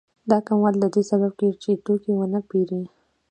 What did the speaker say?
دا کموالی د دې سبب کېږي چې توکي ونه پېري